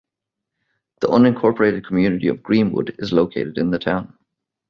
The unincorporated community of Greenwood is located in the town.